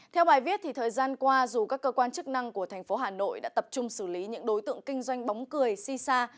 theo bài viết thời gian qua dù các cơ quan chức năng của thành phố hà nội đã tập trung xử lý những đối tượng kinh doanh bóng cười si sa